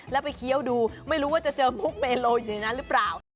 แล้วไปเคี้ยวดูไม่รู้ว่าจะเจอมุกเมโลอยู่ในนั้นหรือเปล่า